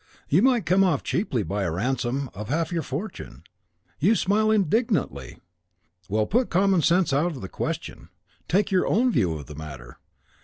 You might come off cheaply by a ransom of half your fortune. You smile indignantly! Well, put common sense out of the question; take your own view of the matter.